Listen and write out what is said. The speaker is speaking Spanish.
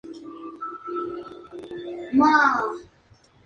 El tema jamás ha quedado fuera del repertorio de Roxette durante sus giras.